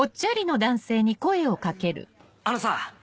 あのさ。